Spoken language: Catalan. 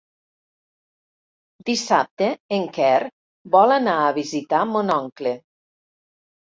Dissabte en Quer vol anar a visitar mon oncle.